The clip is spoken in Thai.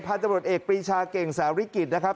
พาจับรวดเอกปีชาเก่งสาริกิตนะครับ